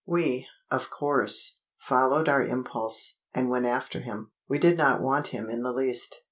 We, of course, followed our impulse, and went after him. We did not want him in the least.